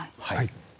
はい。